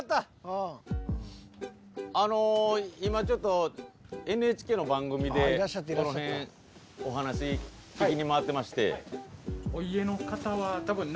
あの今ちょっとＮＨＫの番組でこの辺お話聞きに回ってまして。